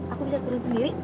aku bisa turun sendiri